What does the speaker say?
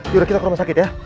yuk kita ke rumah sakit ya